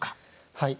はい。